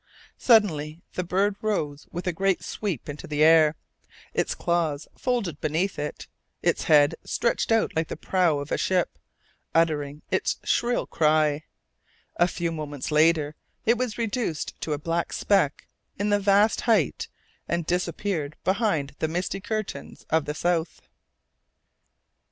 Suddenly, the bird rose with a great sweep into the air, its claws folded beneath it, its head stretched out like the prow of a ship, uttering its shrill cry: a few moments later it was reduced to a black speck in the vast height and disappeared behind the misty curtain of the south.